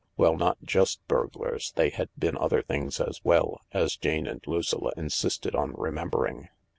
(Well, not just burglars— they had been other things as well, as Jane and Lucilla insisted on remembering